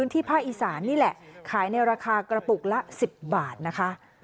ที่ภาคอีสานนี่แหละขายในราคากระปุกละ๑๐บาทนะคะ